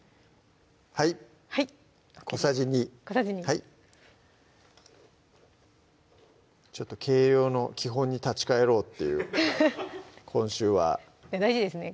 はい小さじ２ちょっと計量の基本に立ち返ろうっていう今週は大事ですね